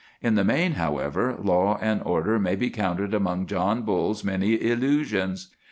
In the main, therefore, law and order may be counted among John Bull's many illusions.